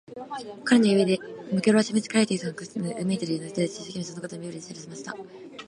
彼の指で、脇腹をしめつけられているのが苦しくなったので、うめいたり、泣いたりして、一生懸命、そのことを身振りで知らせました。